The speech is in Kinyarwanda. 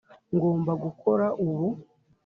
ngomba gukora ubu.